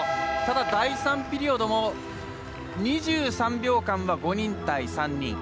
ただ、第３ピリオドも２３秒間は５人対３人。